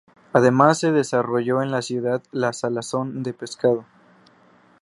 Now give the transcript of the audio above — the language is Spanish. Además se desarrolló en la ciudad la salazón de pescado.